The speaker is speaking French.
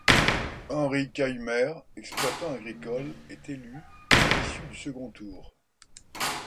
Henri Caillemer, exploitant agricole, est élu à l’issue du second tour.